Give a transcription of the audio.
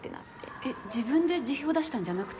えっ自分で辞表出したんじゃなくて？